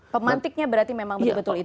pemantiknya berarti memang betul betul itu